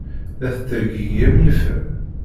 La tettergigi am yifer.